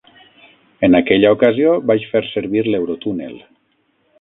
En aquella ocasió vaig fer servir l'Eurotúnel.